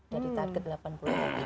jadi target delapan puluh ribu